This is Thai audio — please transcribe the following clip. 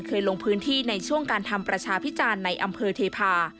ลงพื้นที่ในช่วงการทำประชาพิจารณ์ในอำเภอเทพา